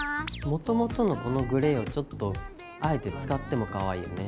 もともとのこのグレーはちょっとあえて使ってもかわいいよね。